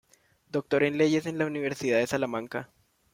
Doctor en leyes en la Universidad de Salamanca.